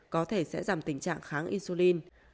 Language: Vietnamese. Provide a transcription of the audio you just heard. có thể sẽ giảm tình trạng kháng insulin